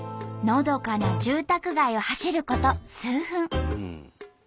のどかな住宅街を走ること数分。